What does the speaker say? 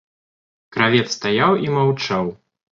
Кравец стаяў і маўчаў.